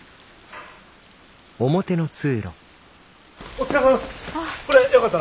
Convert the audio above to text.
お疲れさまです！